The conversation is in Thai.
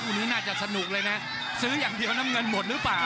วันนี้น่าจะสนุกเลยนะซื้ออย่างเดียวน้ำเงินหมดหรือเปล่า